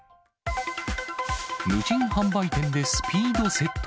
無人販売店でスピード窃盗。